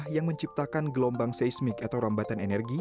yang menciptakan gelombang seismik atau rambatan energi